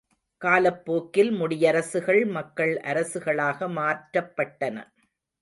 காலப்போக்கில் முடியரசுகள் மக்கள் அரசுகளாக மாற்றப்பட்டன.